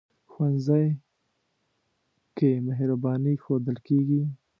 ښوونځی کې مهرباني ښودل کېږي